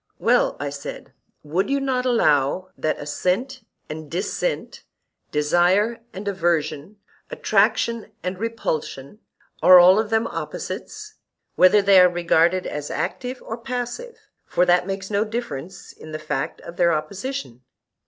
Well, I said, would you not allow that assent and dissent, desire and aversion, attraction and repulsion, are all of them opposites, whether they are regarded as active or passive (for that makes no difference in the fact of their opposition)?